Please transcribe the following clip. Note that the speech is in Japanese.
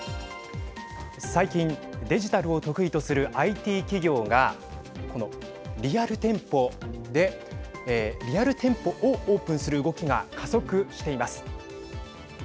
最近、デジタルを得意とするＩＴ企業がこのリアル店舗でリアル店舗をオープンする動きが加速しています。